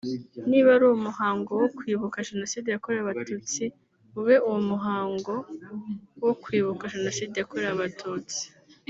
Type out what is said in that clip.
niba ari umuhango wo kwibuka Jenoside yakorewe abatutsi ube uwo umuhango wo kwibuka Jenoside yakorewe abatutsi